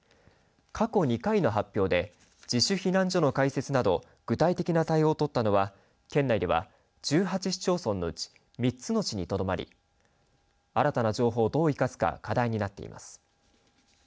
過去２回の発表で自主避難所の開設など具体的な対応を取ったのは県内では１８市町村のうち３つの市にとどまり新たな情報をどう生かすか課題になっています。